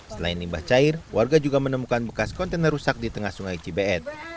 selain limbah cair warga juga menemukan bekas kontainer rusak di tengah sungai cibeet